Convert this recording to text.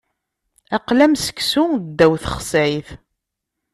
Aql-i am seksu ddaw texsayt.